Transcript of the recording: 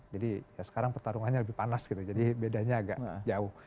jadi ya sekarang pertarungannya lebih panas gitu jadi bedanya agak jauh